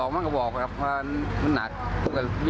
มันจะออกมาและสอย